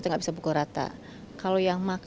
pengamat ekonomi universitas pajajaran dian mbak